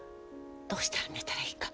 どうしてあげたらいいか。